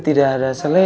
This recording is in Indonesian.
tidak ada selesai